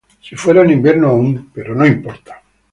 Si fuera en invierno aún. Pero ahora no importa.